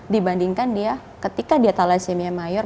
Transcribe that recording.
dibandingkan dia ketika dia tala semia mayor